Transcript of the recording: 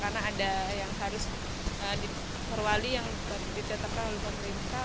karena ada yang harus diperwali yang ditetapkan oleh pemerintah